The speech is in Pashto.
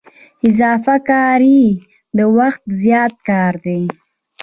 اضافه کاري د وخت زیات کار دی